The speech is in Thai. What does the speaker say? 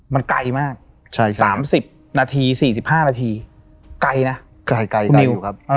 มันไกลมากใช่สามสิบนาทีสี่สิบห้านาทีไกลน่ะไกลไกลไกลอยู่ครับ